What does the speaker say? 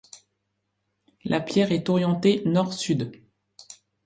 La pierre est orientée nord-sud.